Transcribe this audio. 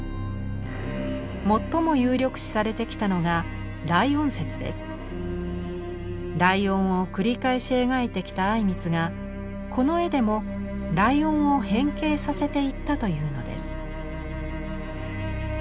最も有力視されてきたのがライオンを繰り返し描いてきた靉光がこの絵でもライオンを変形させていったというのです。